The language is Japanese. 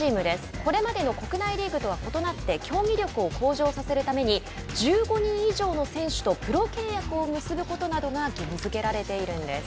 これまでの国内リーグとは異なって競技力を向上させるために１５人以上の選手とプロ契約を結ぶことなどが義務づけられているんです。